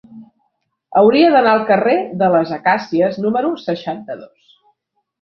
Hauria d'anar al carrer de les Acàcies número seixanta-dos.